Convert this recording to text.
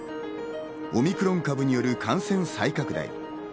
オミクロン株による感染再拡大。